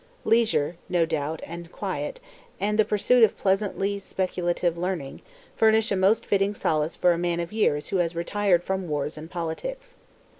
Leisure, no doubt, and quiet, and the pursuit of pleasantly speculative learning, furnish a most fitting solace for a man of years who has retired from wars and politics.